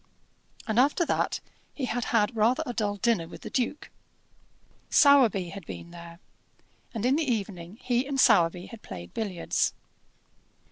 And after that he had had rather a dull dinner with the duke. Sowerby had been there, and in the evening he and Sowerby had played billiards.